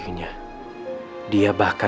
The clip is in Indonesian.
dia bahkan masih berubah menjadi seorang anak muda